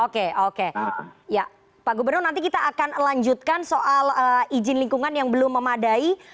oke oke ya pak gubernur nanti kita akan lanjutkan soal izin lingkungan yang belum memadai